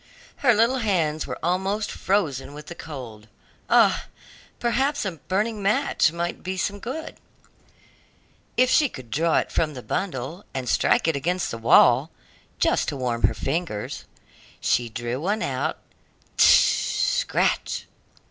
Her little hands were almost frozen with the cold. Ah! perhaps a burning match might be some good, if she could draw it from the bundle and strike it against the wall, just to warm her fingers. She drew one out "scratch!"